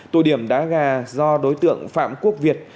tụ điểm đá gà do đối tượng phạm quốc việt